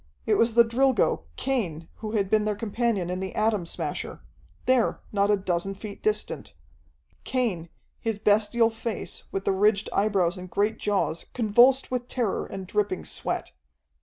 It was the Drilgo, Cain, who had been their companion in the Atom Smasher there, not a dozen feet distant. Cain, his bestial face, with the ridged eyebrows and great jaws convulsed with terror and dripping sweat.